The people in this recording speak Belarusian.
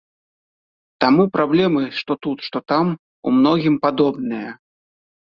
Таму праблемы што тут, што там у многім падобныя.